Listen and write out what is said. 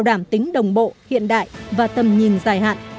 đảm tính đồng bộ hiện đại và tầm nhìn dài hạn